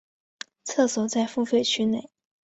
厕所在付费区内。